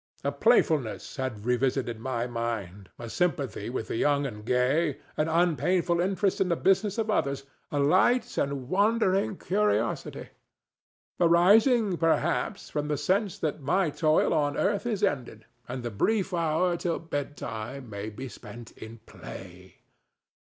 A playfulness has revisited my mind—a sympathy with the young and gay, an unpainful interest in the business of others, a light and wandering curiosity—arising, perhaps, from the sense that my toil on earth is ended and the brief hour till bedtime may be spent in play.